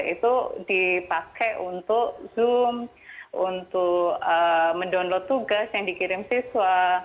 itu dipakai untuk zoom untuk mendownload tugas yang dikirim siswa